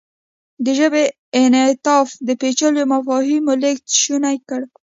د ژبې انعطاف د پېچلو مفاهیمو لېږد شونی کړ.